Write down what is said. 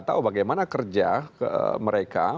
tahu bagaimana kerja mereka